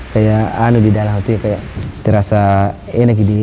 kayak anu di dalam hati kayak terasa enak gitu